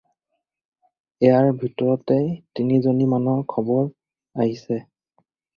ইয়াৰ ভিতৰতে তিনিজনী মানৰ খবৰ আহিছে।